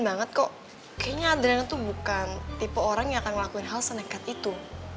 banget kok kayaknya adrena tuh bukan tipe orang yang akan ngelakuin hal senekat itu